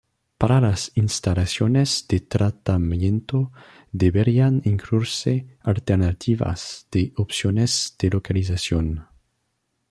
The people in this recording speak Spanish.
Para las instalaciones de tratamiento, deberían incluirse alternativas de opciones de localización.